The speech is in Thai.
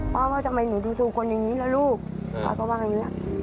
พ่อว่าทำไมหนูดูคนอย่างนี้ละลูกพ่อก็ว่าอย่างนี้